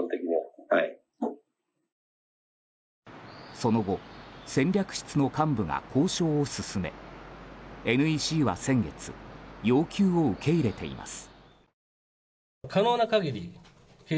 その後戦略室の幹部が交渉を進めＮＥＣは先月要求を受け入れています。